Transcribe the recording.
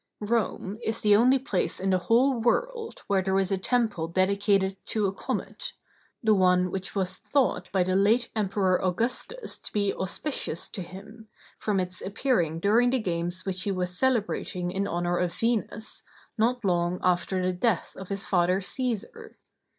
Rome is the only place in the whole world where there is a temple dedicated to a comet—the one which was thought by the late Emperor Augustus to be auspicious to him, from its appearing during the games which he was celebrating in honor of Venus, not long after the death of his father Cæsar.